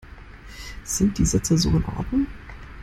Sind die Sätze so in Ordnung?